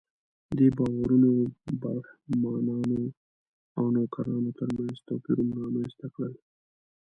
دې باورونو برهمنانو او نوکرانو تر منځ توپیرونه رامنځته کړل.